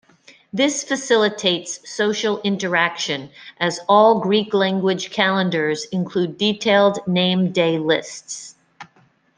This facilitates social interaction, as all Greek language calendars include detailed name day lists.